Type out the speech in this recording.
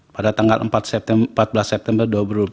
pada tanggal empat belas september dua ribu dua puluh